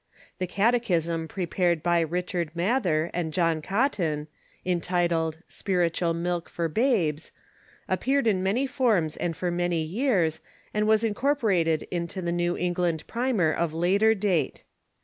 The catechism prepared bj^ Richard Ma ther and John Cotton, entitled "Spiritual Milk for Babes," appeared in many forms and for many years, and was incor porated into the "New England Primer" of later date.